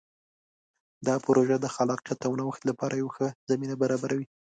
دا پروژه د خلاقیت او نوښت لپاره یوه ښه زمینه برابروي.